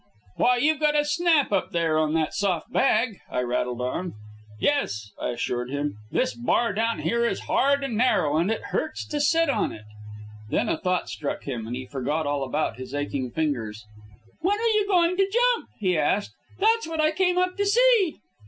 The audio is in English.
"'Why, you've got a snap up there on that soft bag," I rattled on. "Yes," I assured him, "this bar down here is hard and narrow, and it hurts to sit on it." Then a thought struck him, and he forgot all about his aching fingers. "When are you going to jump?" he asked. "That's what I came up to see."